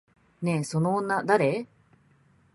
ねえ、その女誰？